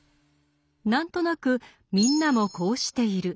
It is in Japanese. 何となく「みんなもこうしている」